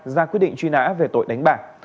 ra quyết định truy nã về tội đánh bạc